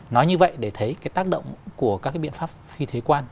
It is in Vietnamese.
nói như vậy để thấy cái tác động của các cái biện pháp phi thuế quan